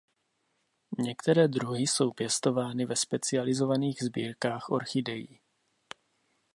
Některé druhy jsou pěstovány ve specializovaných sbírkách orchidejí.